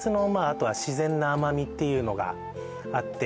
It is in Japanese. あとは自然な甘みっていうのがあって